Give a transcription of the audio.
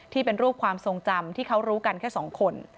ที่เป็นรูปความทรงจำที่เขารู้กันแค่สองคน